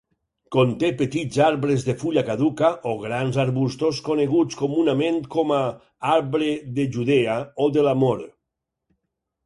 Conté petits arbres de fulla caduca o grans arbustos coneguts comunament com a arbre de Judea o de l'amor.